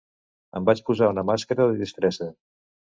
Em vaig posar una màscara de disfressa.